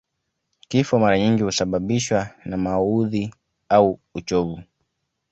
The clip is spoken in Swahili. Kifo mara nyingi huasababishwa na maudhi au uchovu